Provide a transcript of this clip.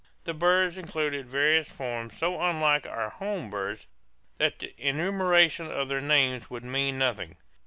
The birds included various forms so unlike our home birds that the enumeration of their names would mean nothing.